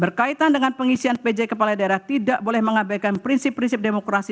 berkaitan dengan pengisian pj kepala daerah tidak boleh mengabaikan prinsip prinsip demokrasi